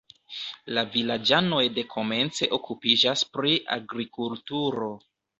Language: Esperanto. La vilaĝanoj dekomence okupiĝas pri agrikulturo.